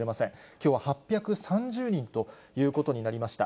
きょうは８３０人ということになりました。